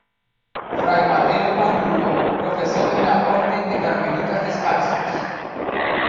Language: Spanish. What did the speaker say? Fray Mateo Panduro profesó en la orden de carmelitas descalzos.